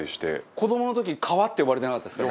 子どもの時「皮」って呼ばれてなかったですか？